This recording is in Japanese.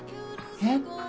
えっ？